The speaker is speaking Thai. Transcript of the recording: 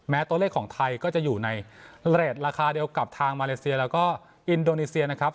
ตัวเลขของไทยก็จะอยู่ในเรทราคาเดียวกับทางมาเลเซียแล้วก็อินโดนีเซียนะครับ